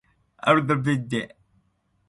Ãnyilicioasi ca scafander.